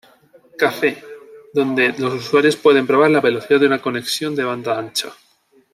Cafe, donde los usuarios pueden probar la velocidad de una conexión de banda ancha.